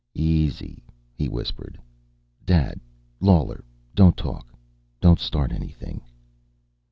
"Easy," he whispered. "Dad! Lawler! Don't talk. Don't start anything."